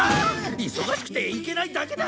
忙しくて行けないだけだ！